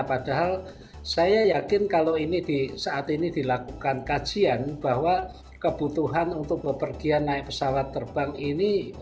padahal saya yakin kalau ini saat ini dilakukan kajian bahwa kebutuhan untuk bepergian naik pesawat terbang ini